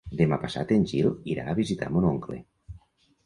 Demà passat en Gil irà a visitar mon oncle.